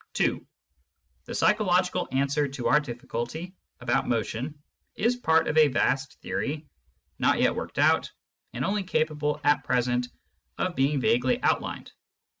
(2) The psychological answer to our difficulty about motion is part of a vast theory, not yet worked out, and only capable, at present, of being vaguely outlined.